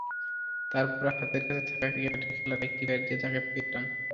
তারপর হাতের কাছে থাকা ক্রিকেট খেলার একটি ব্যাট দিয়ে তাঁকে পেটান।